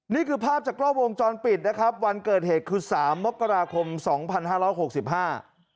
นี่คือภาพจากกล้อวงจรปิดนะครับวันเกิดเหตุคือสามมกราคมสองพันห้าร้อยหกสิบห้า